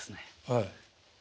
はい。